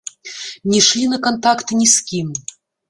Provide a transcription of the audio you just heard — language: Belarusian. Не шлі на кантакт ні з кім.